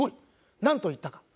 なんと言ったか。